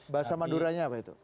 basa maduranya apa itu